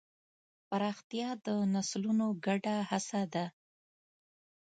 پراختیا د نسلونو ګډه هڅه ده.